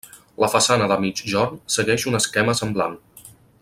La façana de migjorn segueix un esquema semblant.